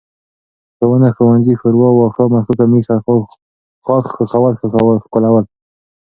ښوونه، ښوونځی، ښوروا، واښه، مښوکه، مېښه، ښاخ، ښخول، ښکلول